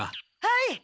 はい！